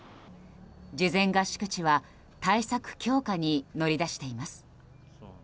事前合宿地は対策強化に乗り出しています。